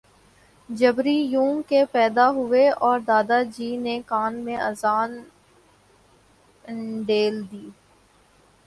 جبری یوں کہ پیدا ہوئے اور دادا جی نے کان میں اذان انڈیل دی